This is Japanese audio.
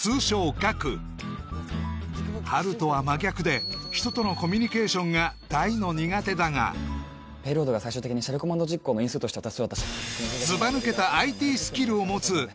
ガクハルとは真逆で人とのコミュニケーションが大の苦手だがペイロードが最終的にシェルコマンド実行の因数として渡せそうだったしを持つ心優しき